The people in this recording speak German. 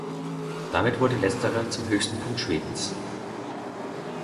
Damit wurde letzterer zum höchsten Punkt Schwedens.